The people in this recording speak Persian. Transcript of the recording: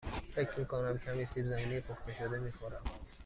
فکر می کنم کمی سیب زمینی پخته شده می خورم.